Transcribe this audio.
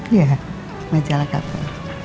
iya majalah kapel